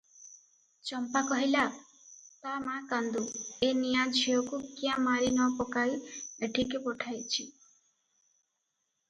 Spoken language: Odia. ଚମ୍ପା କହିଲା, "ତା ମା କାନ୍ଦୁ, ଏ ନିଆଁ ଝିଅକୁ କ୍ୟାଁ ମାରି ନ ପକାଇ ଏଠିକି ପଠାଇଛି?